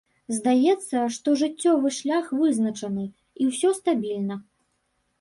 Здаецца, што жыццёвы шлях вызначаны, і ўсё стабільна.